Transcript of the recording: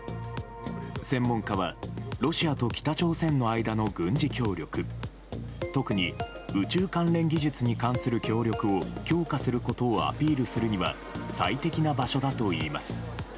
専門家は、ロシアと北朝鮮の間の軍事協力、特に宇宙関連技術に関する協力を強化することをアピールするには最適な場所だといいます。